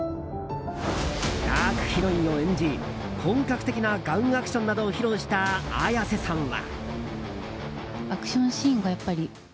ダークヒロインを演じ本格的なガンアクションに挑戦した綾瀬さんは。